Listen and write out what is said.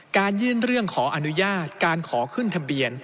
ยื่นเรื่องขออนุญาตการขอขึ้นทะเบียน